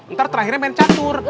ntar terakhirnya mencatur